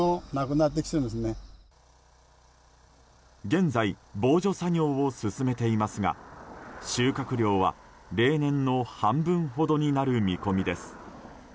現在、防除作業を進めていますが収穫量は例年の半分ほどになる見込みです。